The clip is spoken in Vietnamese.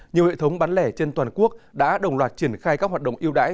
nhiều hệ thống bán lẻ trên toàn quốc đã đồng loạt triển khai các hoạt động yêu đáy